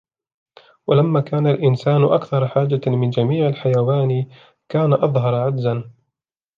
وَلَمَّا كَانَ الْإِنْسَانُ أَكْثَرَ حَاجَةً مِنْ جَمِيعِ الْحَيَوَانِ كَانَ أَظْهَرَ عَجْزًا